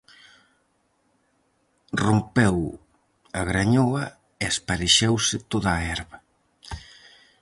Rompeu a grañoa e esparexeuse toda a herba.